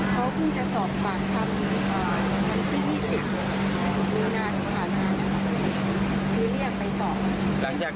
เขาเพิ่งจะสอบปากคำวันที่๒๐มีนาที่ผ่านมาคือเรียกไปสอบ